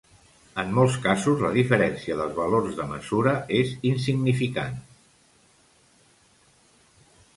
En molts casos, la diferència dels valors de mesura és insignificant.